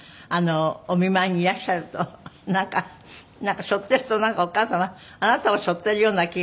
お見舞いにいらっしゃるとなんか背負ってるとお母様あなたを背負ってるような気が。